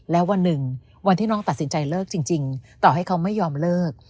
แล้ววันหนึ่งวันที่น้องตัดสินใจเลิกจริงต่อให้เขาไม่ยอมเลิก